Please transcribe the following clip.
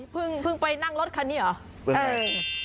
เพิ่งไปนั่งรถคันนี้เหรอ